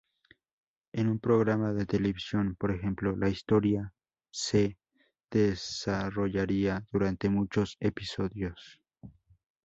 En un programa de televisión, por ejemplo, la historia se desarrollaría durante muchos episodios.